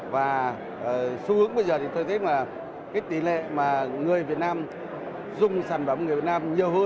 và xu hướng bây giờ thì tôi thấy là cái tỷ lệ mà người việt nam dùng sản phẩm người việt nam nhiều hơn